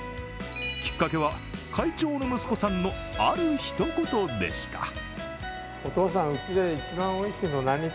きっかけは会長の息子さんのあるひと言でした。